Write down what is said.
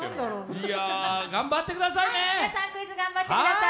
頑張ってくださいね。